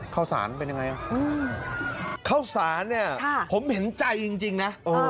เข้าศาลเป็นยังไงอืมเข้าศาลเนี้ยค่ะผมเห็นใจจริงนะเออ